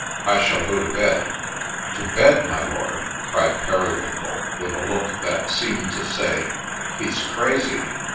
I shall go to bed.' ' To bed, my lord ?' cried Periwinkle, with a look that seemed to say, ' He 's crazy